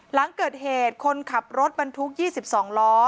หลังเกิดเหตุคนขับรถบรรทุก๒๒ล้อ